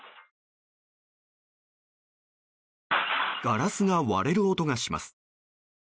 ガラスが割れる音がします。